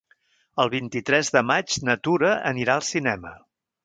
El vint-i-tres de maig na Tura anirà al cinema.